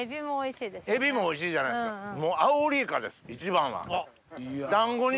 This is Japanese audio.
エビもおいしいじゃないですかもうアオリイカです一番は。